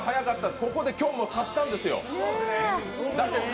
ここできょんもさしたんですよ。